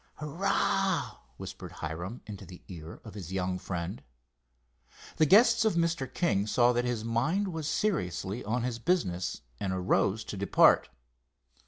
"Hurrah!" whispered Hiram, into the ear of his young friend. The guests of Mr. King saw that his mind was seriously on his business, and arose to depart.